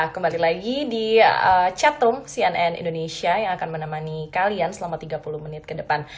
kembali lagi di chatroom cnn indonesia yang akan menemani kalian selama tiga puluh menit ke depan